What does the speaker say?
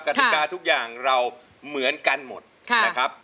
กติกาทุกอย่างเราเหมือนกันหมดนะครับ